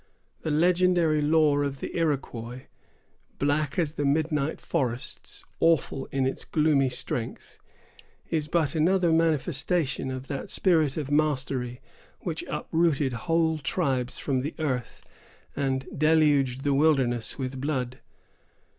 The legendary lore of the Iroquois, black as the midnight forests, awful in its gloomy strength, is but another manifestation of that spirit of mastery which uprooted whole tribes from the earth, and deluged the wilderness with blood.